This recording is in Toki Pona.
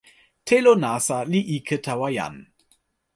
telo nasa li ike tawa jan.